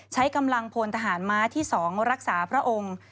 ใช้กำลังพลทหารม้าที่๒รักษาพระองค์